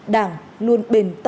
đảng luôn bền tâm vững chí